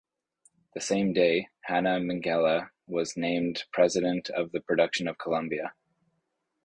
The same day, Hanna Minghella was named president of production of Columbia.